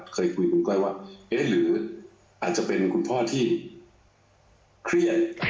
เคยคุยคุณก้อยว่าเอ๊ะหรืออาจจะเป็นคุณพ่อที่เครียด